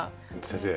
先生